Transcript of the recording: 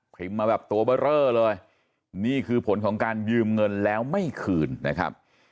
มาแบบตัวเบอร์เรอเลยนี่คือผลของการยืมเงินแล้วไม่คืนนะครับ